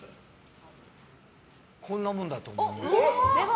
こんなもんだと思います。